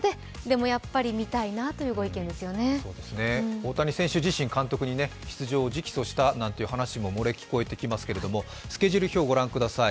大谷選手自身、監督に出場を直訴したなんていう情報も漏れ聞こえてきますけれども、スケジュール表をご覧ください。